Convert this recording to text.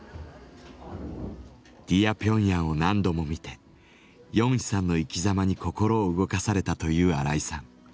「ディア・ピョンヤン」を何度も見てヨンヒさんの生きざまに心を動かされたという荒井さん。